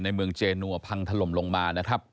เมืองเจนัวพังถล่มลงมานะครับ